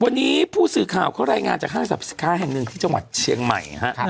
วันนี้ผู้สื่อข่าวเขารายงานจากห้างสรรพสินค้าแห่งหนึ่งที่จังหวัดเชียงใหม่ฮะ